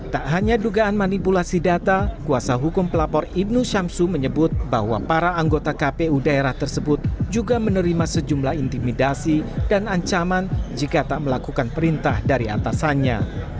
tak hanya dugaan manipulasi data kuasa hukum pelapor ibnu syamsu menyebut bahwa para anggota kpu daerah tersebut juga menerima sejumlah intimidasi dan ancaman jika tak melakukan perintah dari atasannya